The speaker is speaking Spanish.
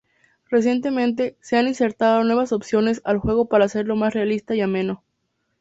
Recientemente se han insertado nuevas opciones al juego para hacerlo más realista y ameno.